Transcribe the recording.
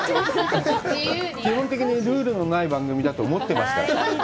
基本的にルールのない番組だと思ってますから。